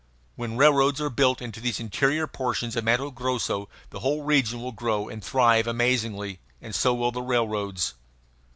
When railroads are built into these interior portions of Matto Grosso the whole region will grow and thrive amazingly and so will the railroads.